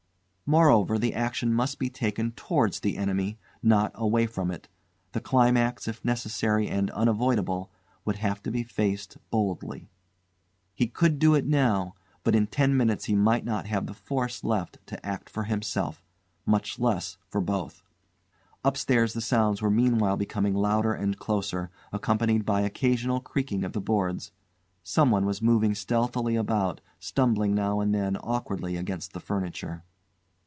Moreover, the action must be taken towards the enemy, not away from it; the climax, if necessary and unavoidable, would have to be faced boldly. He could do it now; but in ten minutes he might not have the force left to act for himself, much less for both! Upstairs, the sounds were meanwhile becoming louder and closer, accompanied by occasional creaking of the boards. Someone was moving stealthily about, stumbling now and then awkwardly against the furniture.